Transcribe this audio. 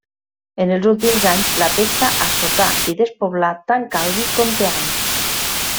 En els últims anys la pesta assotà i despoblà tant Calvi com Teano.